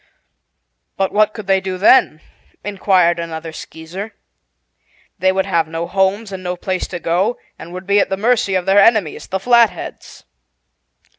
"But what could they do then?" inquired another Skeezer. "They would have no homes and no place to go, and would be at the mercy of their enemies, the Flatheads."